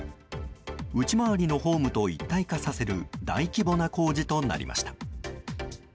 内回りのホームと一体化させる大規模な工事となりました。